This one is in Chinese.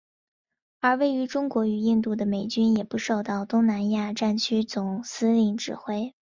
而位于中国与印度的美军也不受到东南亚战区总司令指挥。